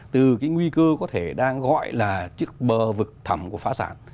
từ cái nguy cơ có thể đang gọi là chiếc bờ vực thẩm của phá sản